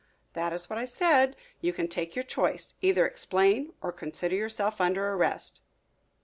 "That is what I said. You can take your choice. Either explain or consider yourself under arrest."